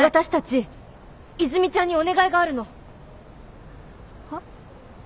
私たち和泉ちゃんにお願いがあるの。は？